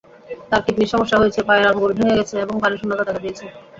তাঁর কিডনির সমস্যা হয়েছে, পায়ের আঙুল ভেঙে গেছে এবং পানিশূন্যতা দেখা দিয়েছে।